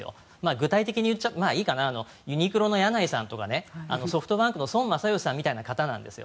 具体的に言っていいかなユニクロの柳井さんとかソフトバンクの孫正義さんみたいな方なんです。